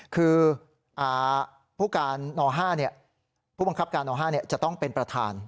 คือผู้บังคับการน๕จะต้องเป็นประธาน